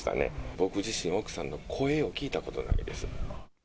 僕自身、奥さんの声を聞いたことないですね。